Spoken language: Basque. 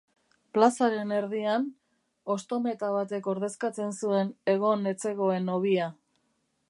Plazaren erdian, hosto-meta batek ordezkatzen zuen egon ez zegoen hobia.